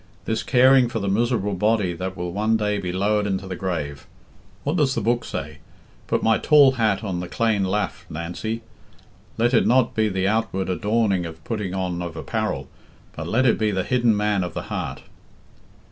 "This caring for the miserable body that will one day be lowered into the grave! What does the Book say? put my tall hat on the clane laff, Nancy. 'Let it not be the outward adorning of putting on of apparel, but let it be the hidden man of the heart.'"